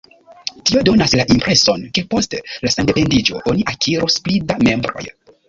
Tio donas la impreson, ke post la sendependiĝo oni akirus pli da membroj.